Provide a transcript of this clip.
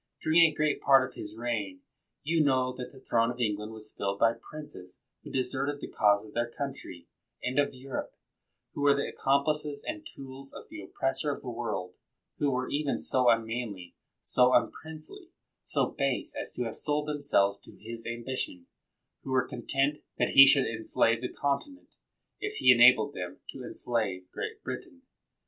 During a great part of his reign, you know that the throne of England was filled by princes who deserted the cause of their country and of Europe, who were the accomplices and the tools of the oppressor of the world, who were even 102 MACKINTOSH SO unmanly, so unprincely, so base, as to have sold themselves to his ambition; who were con tent that he should enslave the continent, if he enabled them to enslave Great Britain.